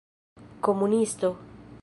komunisto